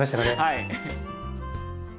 はい！